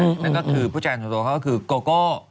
นั่นก็คือผู้จัดการส่วนตัวเขาก็คือโกโก้